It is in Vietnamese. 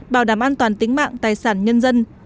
bảo đảm an toàn tính mạng tài sản nhân dân